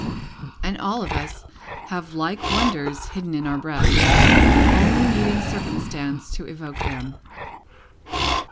And all of us have like wonders hidden in our breasts, only needing circumstances to evoke them.